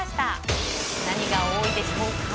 何が多いでしょうか。